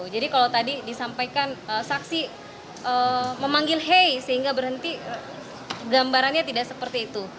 jadi kalau tadi disampaikan saksi memanggil hey sehingga berhenti gambarannya tidak seperti itu